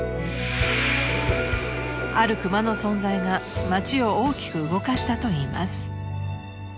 ［あるクマの存在が町を大きく動かしたといいます］